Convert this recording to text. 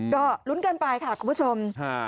ก็ลุ้นกันไปค่ะคุณผู้ชม